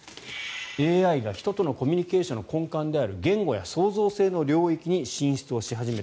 ＡＩが人とのコミュニケーションの根幹である言語や創造性の領域に進出をし始めた。